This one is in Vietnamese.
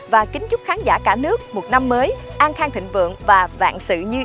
và kính chúc khán giả cả nước một năm mới an khang thịnh vượng và vạn sự như